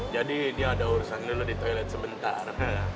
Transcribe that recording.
jadi dia ada urusan dulu di toilet sebentar